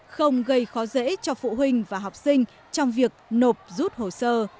không gây khó dễ cho phụ huynh và học sinh trong việc nộp rút hồ sơ